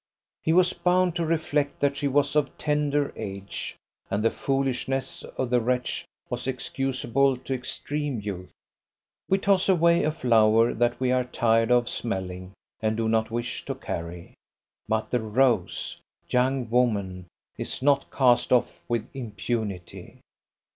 He was bound to reflect that she was of tender age, and the foolishness of the wretch was excusable to extreme youth. We toss away a flower that we are tired of smelling and do not wish to carry. But the rose young woman is not cast off with impunity.